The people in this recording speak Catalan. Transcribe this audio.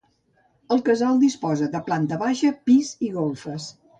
El casal disposa de planta baixa, pis i golfes.